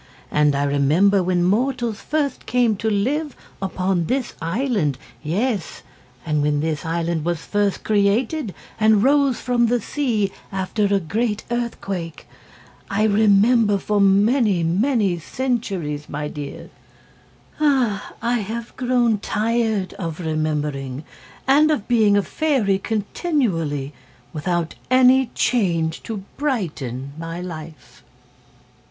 And I remember when mortals first came to live upon this island, yes and when this island was first created and rose from the sea after a great earthquake. I remember for many, many centuries, my dears. I have grown tired of remembering and of being a fairy continually, without any change to brighten my life."